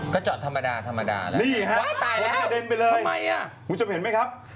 ก็จอดธรรมดาธรรมดานี่ฮะอ๊ะตายแล้วทำไมอ่ะมึงจะเห็นไหมครับ